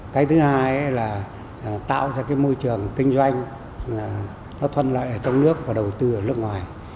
cái thứ hai là tạo ra cái môi trường kinh doanh nó thuận lợi ở trong nước và đầu tư ở nước ngoài